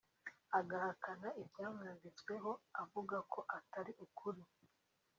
agahakana ibyamwanditsweho avuga ko atari ukuri